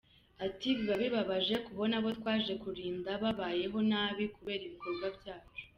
Ati” Biba bibabaje kubona abo twaje kurinda babayeho nabi kubera ibikorwa byacu.